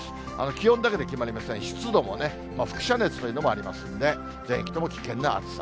気温だけで決まりません、湿度もね、輻射熱というのもありますんで、全域とも危険な暑さ。